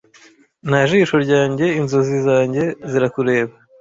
nta jisho ryanjye inzozi zanjye zirakureba